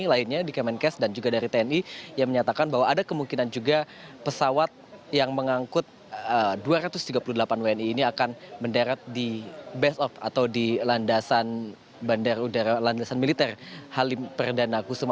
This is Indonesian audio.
lainnya di kemenkes dan juga dari tni yang menyatakan bahwa ada kemungkinan juga pesawat yang mengangkut dua ratus tiga puluh delapan wni ini akan mendarat di best of atau di landasan bandar udara landasan militer halim perdana kusuma